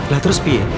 lah terus pi